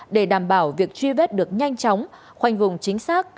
để đảm bảo việc truy vết được nhanh chóng khoanh vùng chính xác